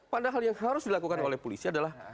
padahal yang harus dilakukan oleh polisi adalah